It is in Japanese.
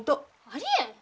ありえん！